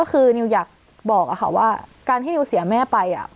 ก็คือนิวอยากบอกอะค่ะว่าการที่นิวเสียแม่ไป